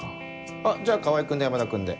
あっじゃあ川合君と山田君で。